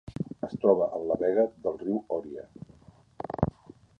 Es troba en la vega del riu Oria.